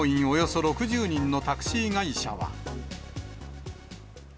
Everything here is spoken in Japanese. およそ６０人のタクシー会社は。